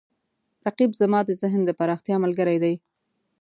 رقیب زما د ذهن د پراختیا ملګری دی